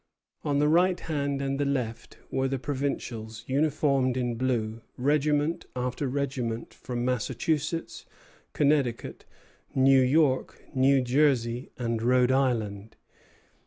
On the right hand and the left were the provincials, uniformed in blue, regiment after regiment, from Massachusetts, Connecticut, New York, New Jersey, and Rhode Island.